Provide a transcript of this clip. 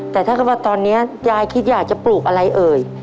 แต่ถ้าเกิดว่าตอนนี้ยายคิดอยากจะปลูกอะไรเอ่ย